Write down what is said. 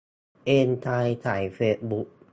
เอนกายไถเฟซบุ๊ก